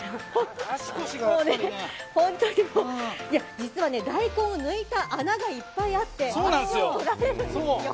実は大根を抜いた穴がいっぱいあって足を取られるんですよ。